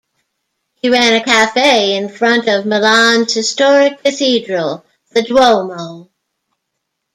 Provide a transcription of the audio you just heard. He ran a cafe in front of Milan's historic cathedral, the Duomo.